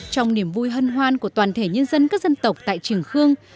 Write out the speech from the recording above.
trong niềm vui hân hoan của toàn thể nhân dân các dân tộc tại trường khương